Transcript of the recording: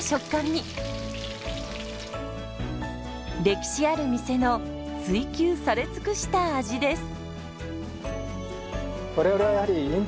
歴史ある店の追求され尽くした味です。